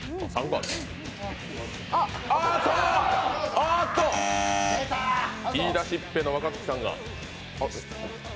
ああっと、言い出しっぺの若槻さんが。